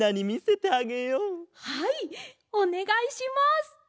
はいおねがいします！